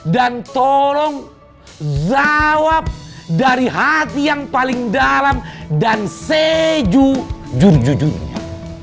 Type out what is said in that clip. dan tolong jawab dari hati yang paling dalam dan sejujurnya